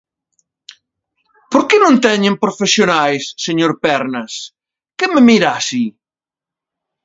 ¿Por que non teñen profesionais, señor Pernas, que me mira así?